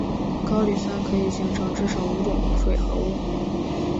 高氯酸可以形成至少五种水合物。